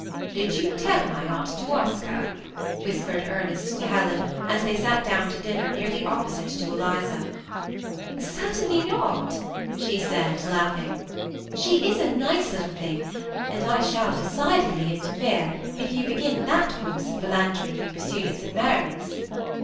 " Did you tell my aunt to ask her ?" whispered Er nest to Helen, as they sat down to dinner nearly oppo site to Eliza. " Certainly not/' she said, laughing ;'< she is a nice 348 THE SEBa ATTACHED COUPLE. little thing ; and I shall decidedly interfere, if you begin that course of philandering you pursued at St. Mary's."